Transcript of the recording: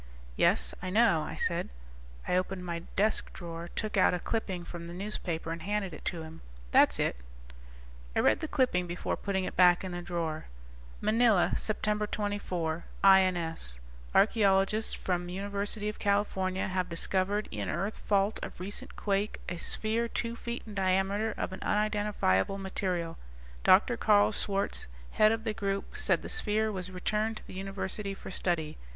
"Yes, I know," I said. I opened my desk drawer, took out a clipping from the newspaper, and handed it to him. "That's it." I read the clipping before putting it back in the drawer. Manila, Sept. 24 (INS) Archeologists from University of California have discovered in earth fault of recent quake a sphere two feet in diameter of an unidentifiable material. Dr. Karl Schwartz, head of the group, said the sphere was returned to the University for study.